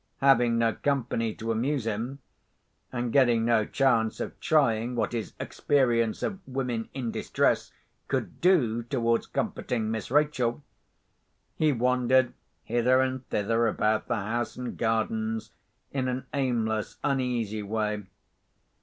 Having no company to amuse him, and getting no chance of trying what his experience of women in distress could do towards comforting Miss Rachel, he wandered hither and thither about the house and gardens in an aimless uneasy way.